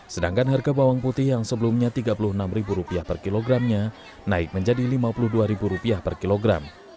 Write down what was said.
sedangkan harga bawang putih yang sebelumnya rp tiga puluh enam per kilogramnya naik menjadi rp lima puluh dua per kilogram